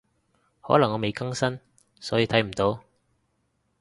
可能我未更新，所以睇唔到